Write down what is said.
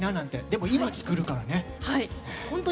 でも今、作るからね。